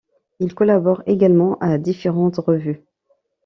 Il collabore également à différentes revues.